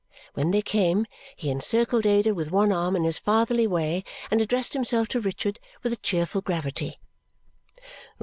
When they came, he encircled Ada with one arm in his fatherly way and addressed himself to Richard with a cheerful gravity.